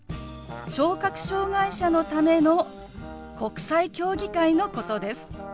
・聴覚障害者のための国際競技会のことです。